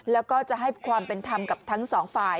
แล้วก็จะให้ความเป็นธรรมกับทั้งสองฝ่าย